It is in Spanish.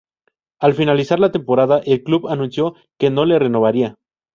Al finalizar la temporada el club anunció que no le renovaría.